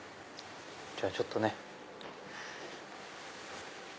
じゃあちょっとね。